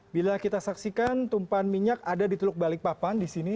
bila kita saksikan tumpahan minyak ada di teluk balikpapan di sini